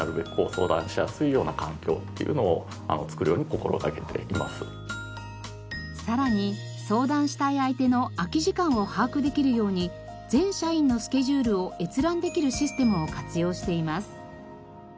例えばさらに相談したい相手の空き時間を把握できるように全社員のスケジュールを閲覧できるシステムを活用しています。